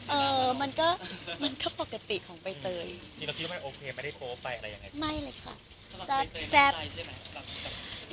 เออมันก็มันก็ปกติของใบเตยจริงเหรอพี่ไม่โอเค